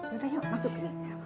yaudah yuk masuk nih